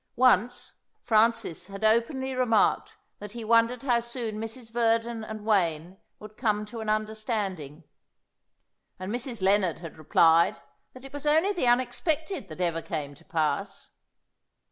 Once, Francis had openly remarked that he wondered how soon Mrs. Verdon and Wayne would come to an understanding; and Mrs. Lennard had replied that it was only the unexpected that ever came to pass.